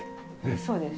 そうです。